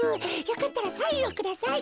よかったらサインをください。